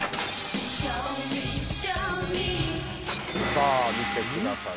さぁ見てください